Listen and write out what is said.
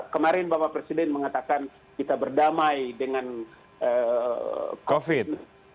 kemarin bapak presiden mengatakan kita berdamai dengan covid